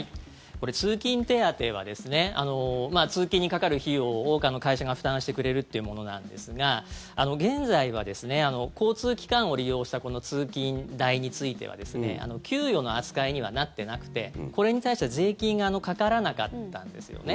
通勤手当は通勤にかかる費用を会社が負担してくれるというものなんですが現在は交通機関を利用したこの通勤代については給与の扱いにはなってなくてこれに対しては税金がかからなかったんですよね。